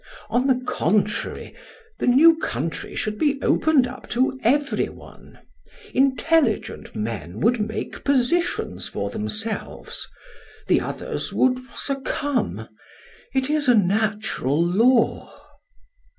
On the contrary, the new country should be opened to everyone. Intelligent men would make positions for themselves; the others would succumb. It is a natural law."